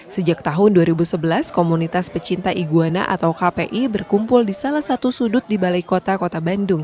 sejak tahun dua ribu sebelas komunitas pecinta iguana atau kpi berkumpul di salah satu sudut di balai kota kota bandung